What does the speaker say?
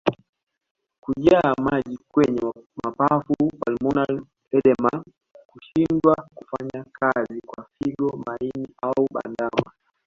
Kujaa maji kwenye mapafu pulmonary edema Kushindwa kufanya kazi kwa figo maini au bandama